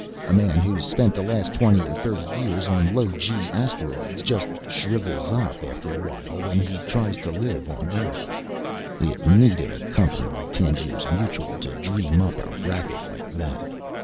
A man who's spent the last twenty or thirty years on low gee asteroids just shrivels up after a while when he tries to live on Earth. It needed a company like Tangiers Mutual to dream up a racket like that.